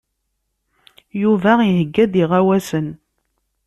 Yuba iheyya-d iɣawasen.